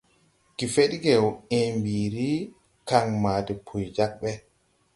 Gefedgew ęę mbiiri, kan maa depuy jāg ɓe.